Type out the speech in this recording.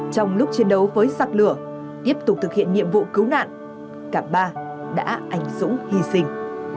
trong lúc chiến đấu với giặc lửa tiếp tục thực hiện nhiệm vụ cứu nạn cả ba đã ảnh dũng hy sinh